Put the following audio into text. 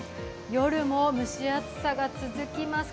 夜も蒸し暑さが続きます。